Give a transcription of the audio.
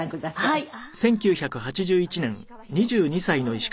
「はい」